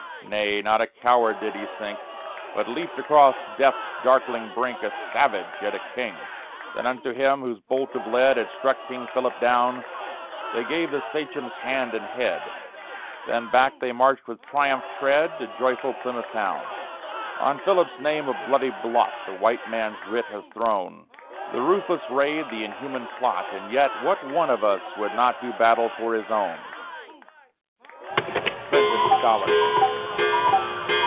Nay, not a coward did he sink, But leaped across Death's darkling brink A savage, yet a king! Then unto him whose bolt of lead Had struck King Philip down, They gave the Sachem's hand and head; Then back they marched, with triumph tread, To joyful Plymouth town. On Philip's name a bloody blot The white man's writ has thrown, The ruthless raid, the inhuman plot; And yet what one of us would not Do battle for his own! CLINTON SCOLLARD.